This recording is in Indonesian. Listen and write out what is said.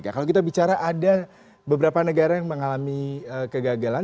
kalau kita bicara ada beberapa negara yang mengalami kegagalan